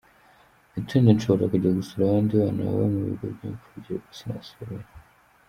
Ati “ Wenda nshobora kujya gusura abandi bana baba mu bigo by’imfubyi ariko sinasubirayo.